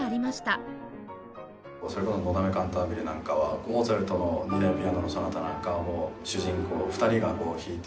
それこそ『のだめカンタービレ』なんかはモーツァルトの『２台ピアノのソナタ』なんかを主人公２人が弾いていて。